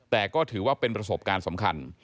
แต่ก็ถือว่าเป็นประสบการณ์สำคัญ